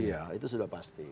iya itu sudah pasti